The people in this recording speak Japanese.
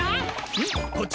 うん？こっち？